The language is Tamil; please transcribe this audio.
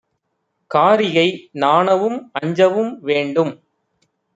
காரிகை நாணவும் அஞ்சவும் வேண்டும்;